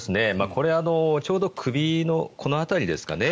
これは、ちょうど首のこの辺りですかね。